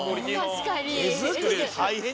確かに。